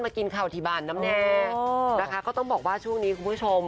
มากินข่าวอธิบันน้ำแน่ก็ต้องบอกว่าช่วงนี้ครัวผู้ชม